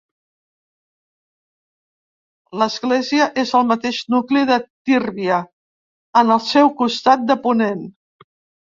L'església és al mateix nucli de Tírvia, en el seu costat de ponent.